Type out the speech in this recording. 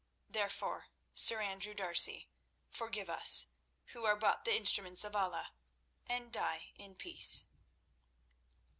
Therefore, Sir Andrew D'Arcy, forgive us, who are but the instruments of Allah, and die in peace."